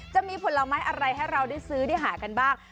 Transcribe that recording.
จะมีผลไม้อะไรให้เราได้ซื้อได้หากันบ้าง